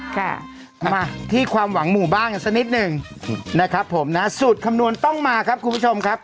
ค่ะมาที่ความหวังหมู่บ้านกันสักนิดหนึ่งนะครับผมนะสูตรคำนวณต้องมาครับคุณผู้ชมครับ